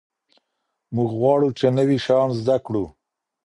موږ غواړو چي نوي شيان زده کړو.